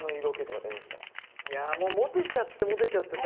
いやもうモテちゃってモテちゃってさ。